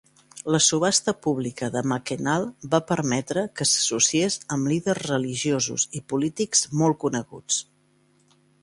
La subhasta pública de Mackennal va permetre que s"associés amb líders religiosos i polítics molt coneguts.